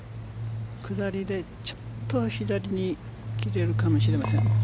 下りでちょっと左に切れるかもしれません。